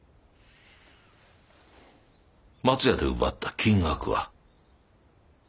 松屋で奪った金額は？